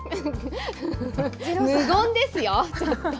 無言ですよ。